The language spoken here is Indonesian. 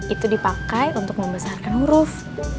itu dipakai untuk membesarkan huruf